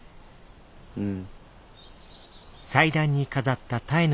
うん。